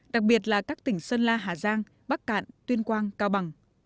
đặc biệt là các tỉnh sơn la hà giang bắc cạn tuyên quang cao bằng